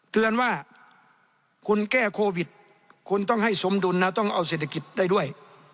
เตือนว่าคุณแก้โควิดคุณต้องให้สมดุลนะต้องเอาเศรษฐกิจได้ด้วย